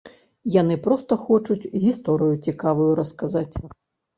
Яны проста хочуць гісторыю цікавую расказаць.